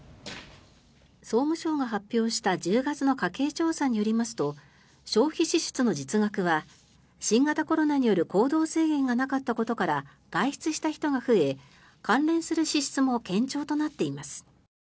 総務省が発表した１０月の家計調査によりますと消費支出の実額は新型コロナによる行動制限がなかったことから外出した人が増え関連する支出も堅調となっています。